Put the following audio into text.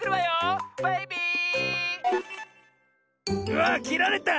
うわきられた！